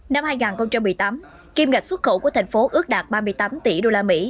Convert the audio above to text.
năm hai nghìn một mươi tám kim ngạch xuất khẩu của thành phố ước đạt ba mươi tám tỷ usd